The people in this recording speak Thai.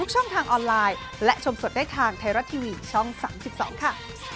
ช่องทางออนไลน์และชมสดได้ทางไทยรัฐทีวีช่อง๓๒ค่ะ